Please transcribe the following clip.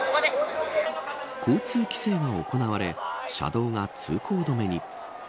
交通規制が行われ車道が通行止めに。